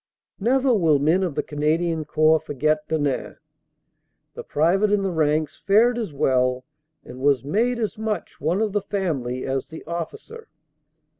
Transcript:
Never will men of the Canadian Corps forget Denain. The private in the ranks fared as well and was made as much one of the family as the officer.